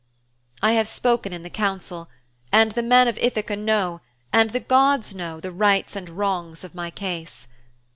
'I have spoken in the council, and the men of Ithaka know, and the gods know, the rights and wrongs of my case.